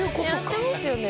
やってますよね？